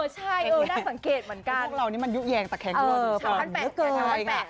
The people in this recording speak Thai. ใช่น่าสังเกตเหมือนกันพวกเรานี่มันยุแยงตะแคงเหลือเกิน